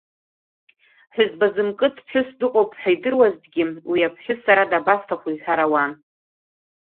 Ҳәызба зымкыц ԥҳәыс дыҟоуп ҳәа идыруазҭгьы, уи аԥҳәыс сара дабасҭаху иҳәар ауан.